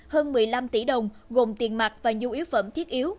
hơn một mươi năm tỷ đồng gồm tiền mặt và nhu yếu phẩm thiết yếu